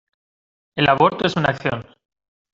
El aborto es una acción.